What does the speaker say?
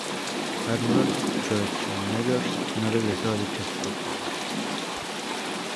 Arnold Schwarzenegger no regresó a dicha secuela.